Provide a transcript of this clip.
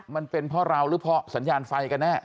มันเป็นเพราะเราหรือเพราะสัญญาณไฟกันแน่